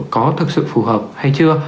có thực sự phù hợp hay chưa